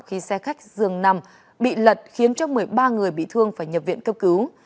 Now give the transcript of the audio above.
khi xe khách dường nằm bị lật khiến cho một mươi ba người bị thương phải nhập viện cấp cứu